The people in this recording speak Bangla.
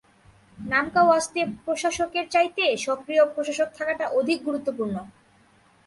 নামকাওয়াস্তে প্রশাসকের চাইতে সক্রিয় প্রশাসক থাকাটা অধিক গুরুত্বপূর্ণ।